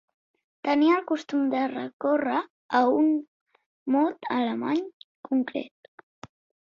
Tenia el costum de recórrer a un mot alemany concret.